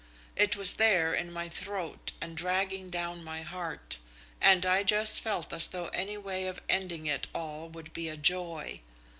It was there in my throat and dragging down my heart, and I just felt as though any way of ending it all would be a joy.